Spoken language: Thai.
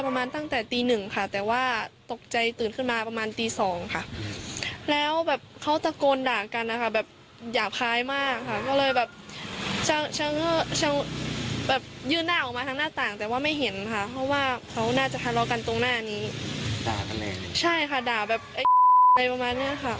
ปกติมีแบบนี้บ้างที่เรามีค่ะ